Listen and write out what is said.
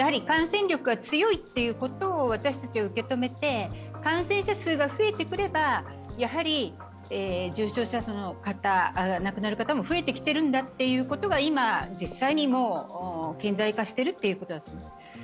感染力が強いということを私たちは受け止めて感染者数が増えてくればやはり重症の方、亡くなる方も増えてきているんだということが今実際に顕在化しているということだと思います。